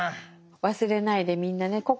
忘れないでみんなね